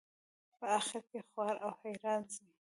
په آخر کې خوار او حیران ځي.